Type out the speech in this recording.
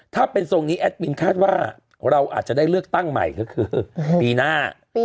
ถ้าเป็นทรงนี้แอดมินคาดว่าเราอาจจะได้เลือกตั้งใหม่ก็คือปีหน้า